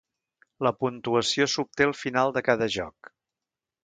La puntuació s'obté al final de cada joc.